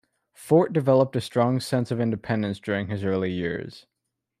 Fort developed a strong sense of independence during his early years.